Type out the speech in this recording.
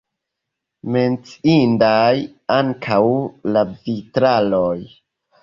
Menciindaj ankaŭ la vitraloj.